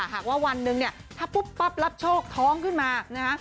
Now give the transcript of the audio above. หากว่าวันหนึ่งเนี่ยถ้าปุ๊บปั๊บรับโชคท้องขึ้นมานะฮะ